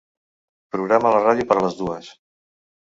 Programa la ràdio per a les dues.